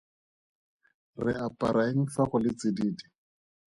Re apara eng fa go le tsididi?